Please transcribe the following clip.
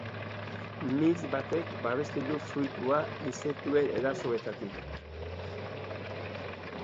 Mintz batek babesten du fruitua intsektuen erasoetatik.